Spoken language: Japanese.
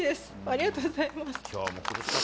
ありがとうございます。